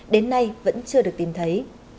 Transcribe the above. đến nay vẫn chưa được tìm thấy